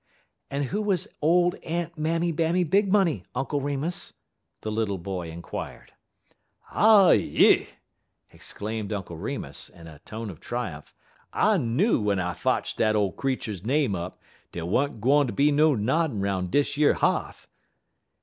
"And who was old Aunt Mammy Bammy Big Money, Uncle Remus?" the little boy inquired. "Ah yi!" exclaimed Uncle Remus, in a tone of triumph, "I know'd w'en I fotch dat ole creetur name up, dey wa'n't gwine ter be no noddin' 'roun' dish yer h'a'th.